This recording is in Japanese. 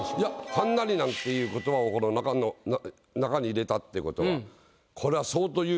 「はんなり」なんていう言葉をこの中に入れたってことはこれは。